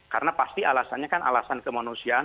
karena pasti alasannya kan alasan kemanusiaan